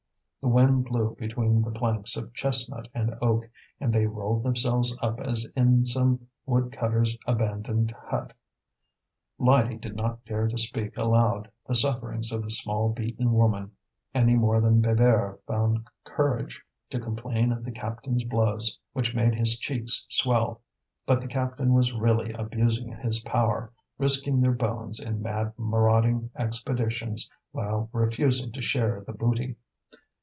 The wind blew between the planks of chestnut and oak, and they rolled themselves up as in some wood cutter's abandoned hut. Lydie did not dare to speak aloud the sufferings of a small beaten woman, any more than Bébert found courage to complain of the captain's blows which made his cheeks swell; but the captain was really abusing his power, risking their bones in mad marauding expeditions while refusing to share the booty.